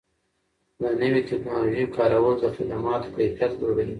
د نوې ټکنالوژۍ کارول د خدماتو کیفیت لوړوي.